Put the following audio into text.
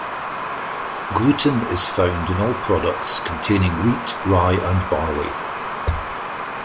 Gluten is found in all products containing wheat, rye, and barley.